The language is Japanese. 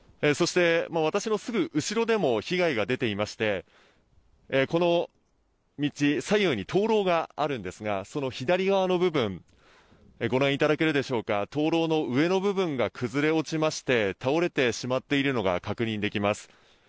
私のすぐ後ろでも被害が出ていましてこの道左右に灯篭があるんですがその左側の部分ご覧いただけるでしょうか灯篭の上の部分が崩れ落ちまして倒れてしまっているのが確認できます。